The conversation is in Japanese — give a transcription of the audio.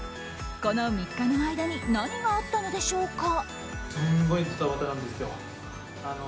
この３日の間に何があったのでしょうか。